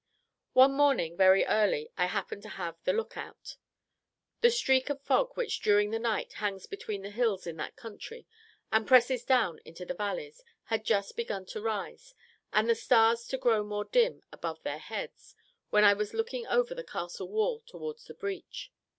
One morning, very early, I happened to have the look out. The streak of fog which during the night hangs between the hills in that country, and presses down into the valleys, had just begun to rise, and the stars to grow more dim above our heads, when I was looking over the castle wall towards the breach.